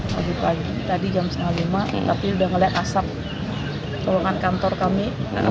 pagi pagi tadi jam lima tapi sudah melihat asap di ruangan kantor kami